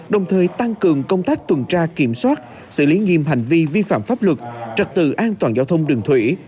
đồng thời tăng cường công tác tuần tra kiểm soát xử lý nghiêm hành vi vi phạm pháp luật trật tự an toàn giao thông đường thủy